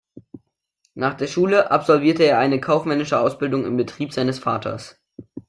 Nach der Schule absolvierte er eine kaufmännische Ausbildung im Betrieb seines Vaters.